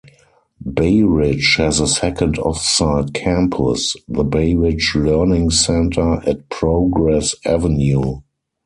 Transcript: Bayridge has a second off-site campus, the Bayridge Learning Centre, at Progress Avenue.